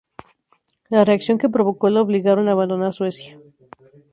La reacción que provocó lo obligaron a abandonar Suecia.